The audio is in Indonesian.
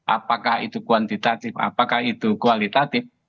apakah itu kuantitatif apakah itu kualitatif